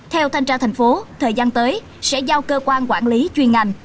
theo thanh tra thành phố thời gian tới sẽ giao cơ quan quản lý chuyên ngành